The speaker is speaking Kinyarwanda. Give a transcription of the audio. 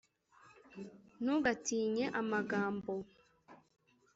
ntugatinye amagambo